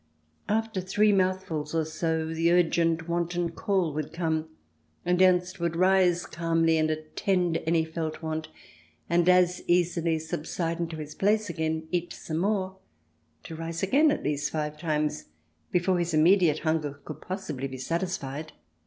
After three mouthfuls or so the urgent, wanton call would come, and Ernst would rise calmly and attend any felt want, and as easily subside into his place again, eat some more, to rise again at least five times before his immediate hunger could possibly be satisfied.